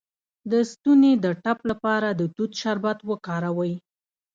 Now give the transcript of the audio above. د ستوني د ټپ لپاره د توت شربت وکاروئ